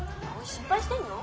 葵心配してんの？